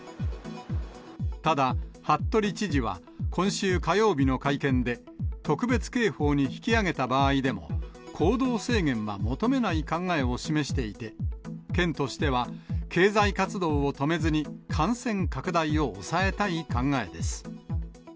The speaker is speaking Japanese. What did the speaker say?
ただ、服部知事は、今週火曜日の会見で、特別警報に引き上げた場合でも、行動制限は求めない考えを示していて、県としては経済活動を止めずに、感染拡大を抑えたい考えです。